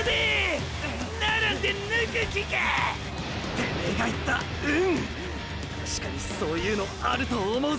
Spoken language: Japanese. てめェが言った“運”たしかにそういうのあると思うぜ。